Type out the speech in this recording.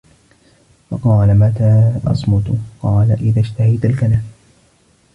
فَقَالَ مَتَى أَصْمُتُ ؟ قَالَ إذَا اشْتَهَيْتَ الْكَلَامَ